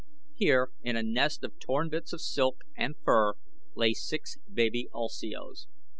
Here, in a nest of torn bits of silk and fur lay six baby ulsios.